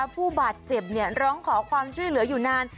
ผู้บาดเจ็บร้องขอความช่วยเหลืออยู่นาน